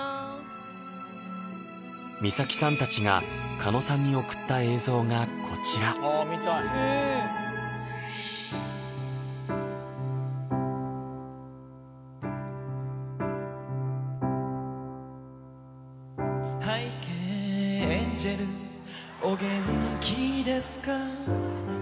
美咲さんたちが狩野さんに送った映像がこちら「拝啓エンジェルお元気ですか？」